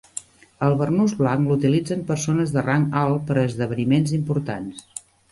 El barnús blanc l'utilitzen persones de rang alt per a esdeveniments importants.